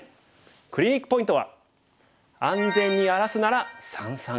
クリニックポイントは。